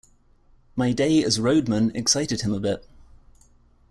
My day as roadman excited him a bit.